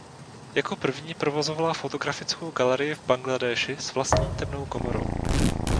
Jako první provozovala fotografickou galerii v Bangladéši s vlastní temnou komorou.